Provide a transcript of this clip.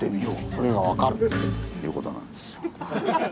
それが分かる！という事なんですよ。